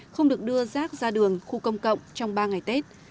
không được đưa rác ra đường khu công cộng trong ba ngày tết